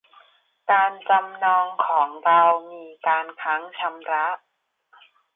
การจำนองของเรามีการค้างชำระ